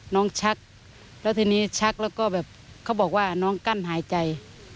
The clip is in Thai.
ชักแล้วทีนี้ชักแล้วก็แบบเขาบอกว่าน้องกั้นหายใจ